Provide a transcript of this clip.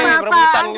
eh berapaan sih